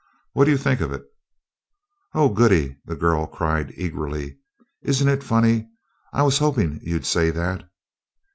What do you think of it?" "Oh goody!" the girl cried eagerly. "Isn't it funny, I was hoping you'd say that."